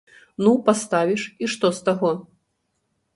Ну, паставіш, і што з таго?